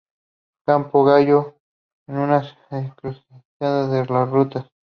Campo Gallo es una encrucijada de rutas.